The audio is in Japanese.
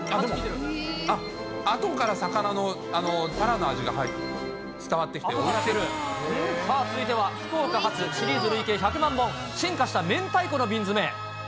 あっ、後から魚の、たらの味が伝さあ、続いては福岡発、シリーズ累計１００万本、進化した明太子の瓶詰。